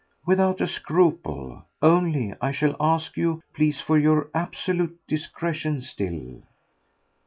"Without a scruple. Only I shall ask you, please, for your absolute discretion still."